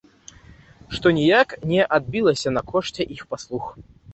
Што ніяк не адбілася на кошце іх паслуг.